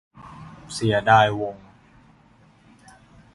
เสียดายวง